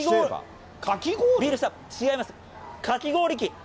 かき氷機。